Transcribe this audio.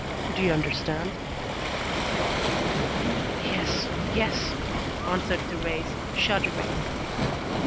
Do you understand?" "Yes, yes," answered Thérèse, shuddering.